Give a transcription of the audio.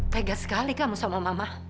pegas sekali kamu sama mama